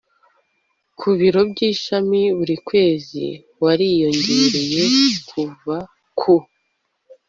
ku biro by ishami buri kwezi wariyongereye uva ku